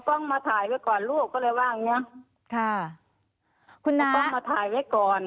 กล้องมาถ่ายไว้ก่อนลูกก็เลยว่าอย่างเงี้ยค่ะคุณกล้องมาถ่ายไว้ก่อน